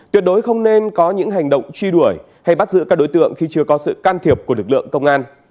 tuyệt đối không nên có những hành động truy đuổi hay bắt giữ các đối tượng khi chưa có sự can thiệp của lực lượng công an